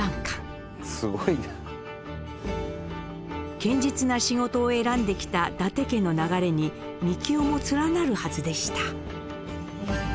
堅実な仕事を選んできた伊達家の流れにみきおも連なるはずでした。